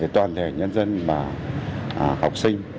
để toàn thể nhân dân và học sinh